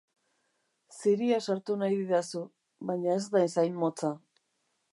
Ziria sartu nahi didazu, baina ez naiz hain motza.